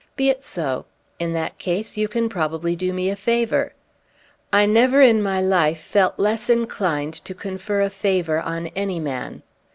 Be it so. In that case, you can probably do me a favor." I never, in my life, felt less inclined to confer a favor on any man.